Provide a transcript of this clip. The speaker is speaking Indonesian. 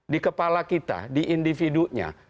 di kepala kita di individunya